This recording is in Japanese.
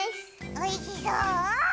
おいしそう！